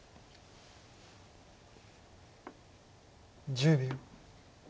１０秒。